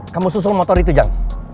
kamu susul motor itu jang